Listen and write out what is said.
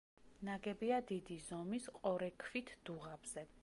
ნაგებია დიდი ზომის ყორექვით დუღაბზე.